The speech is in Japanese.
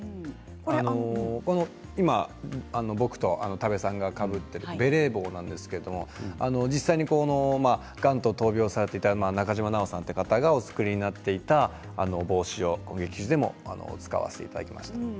今、僕と多部さんがかぶっているベレー帽なんですけど実際にがんと闘病されていた中島ナオさんという方がお作りになっていた帽子を使わせていただきました。